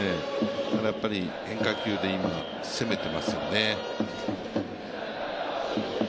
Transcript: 変化球で今、攻めていますよね。